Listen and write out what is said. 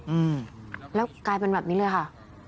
อืมแล้วกลายเป็นแบบนี้เลยค่ะ